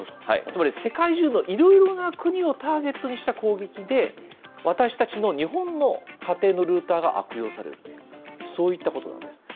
つまり世界中のいろいろな国をターゲットにした攻撃で、私たちの日本の家庭のルーターが悪用されると、そういったことなんです。